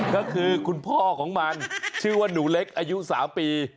ก็คือคุณพ่อของมันชื่อว่าหนูเล็กอายุ๓ปี